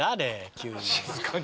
急に。